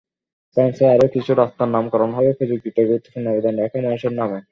ফ্রান্সের আরও কিছু রাস্তার নামকরণ হবে প্রযুক্তিতে গুরুত্বপূর্ণ অবদান রাখা মানুষের নামে।